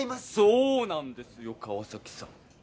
そうなんですよ川崎さん。